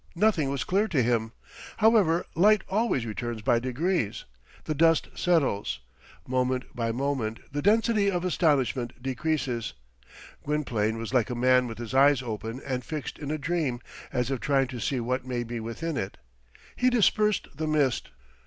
Nothing was clear to him. However, light always returns by degrees. The dust settles. Moment by moment the density of astonishment decreases. Gwynplaine was like a man with his eyes open and fixed in a dream, as if trying to see what may be within it. He dispersed the mist.